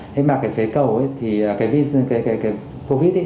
thế mà cái phế cầu ấy thì cái covid ấy